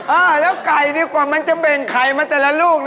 เออแล้วไก่ดีกว่ามันจะแบ่งไข่มาแต่ละลูก